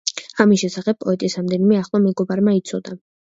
ამის შესახებ პოეტის რამდენიმე ახლო მეგობარმა იცოდა.